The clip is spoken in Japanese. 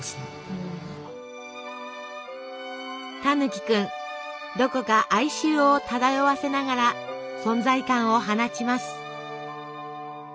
たぬきくんどこか哀愁を漂わせながら存在感を放ちます。